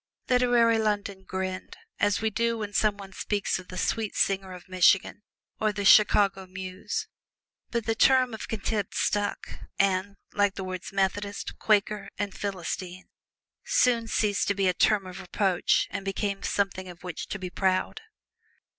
Literary London grinned, as we do when some one speaks of the Sweet Singer of Michigan or the Chicago Muse. But the term of contempt stuck and, like the words Methodist, Quaker and Philistine, soon ceased to be a term of reproach and became something of which to be proud.